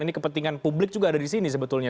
ini kepentingan publik juga ada disini sebetulnya